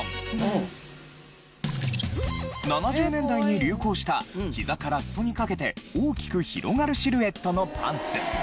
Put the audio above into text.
７０年代に流行した膝から裾にかけて大きく広がるシルエットのパンツ。